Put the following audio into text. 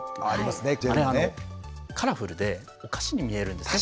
あれカラフルでお菓子に見えるんですね